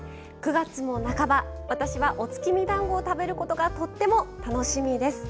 ９月も半ば私はお月見だんごを食べることがとっても楽しみです。